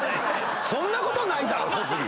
そんなことないだろ！